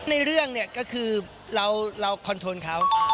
ในเรื่องเนี่ยก็คือเราคอนโทรเขา